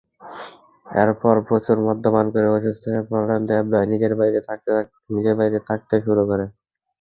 এরপর প্রচুর মদ্যপান করে অসুস্থ হয়ে পড়লে দেবদাস নিজের বাড়িতে থাকতে শুরু করে।